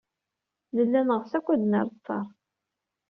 Nella neɣs akk ad d-nerr ttaṛ.